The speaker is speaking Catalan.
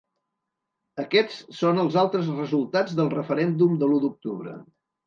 Aquests són els altres resultats del referèndum de l’u d’octubre.